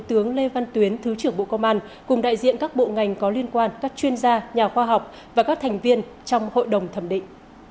tướng lê văn tuyến thứ trưởng bộ công an cùng đại diện các bộ ngành có liên quan các chuyên gia nhà khoa học và các thành viên trong hội đồng thẩm định